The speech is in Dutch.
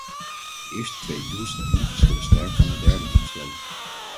De eerste twee doelstellingen verschillen sterk van de derde doelstelling.